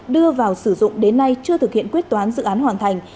đưa vào sử dụng đến nay chưa thực hiện quyết toán dự án hoàn thành